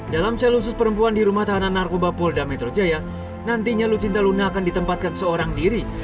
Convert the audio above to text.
dalam sel khusus perempuan di rumah tahanan narkoba polda metro jaya nantinya lucinta luna akan ditempatkan seorang diri